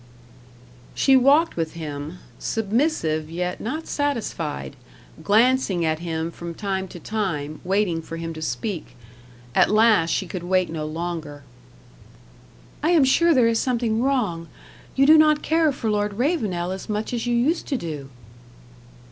She walked with him, submissive yet not satisfied, glancing at him from time to time, waiting for him to speak. At last she could wait no longer. "I am sure there is something wrong. You do not care for Lord Ravenel as much as you used to do."